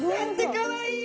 かわいい！